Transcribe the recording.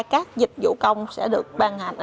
các dịch vụ công sẽ được bàn hạch